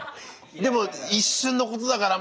でも一瞬のことだから